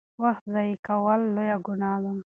وخت ضایع کول لویه ګناه ده.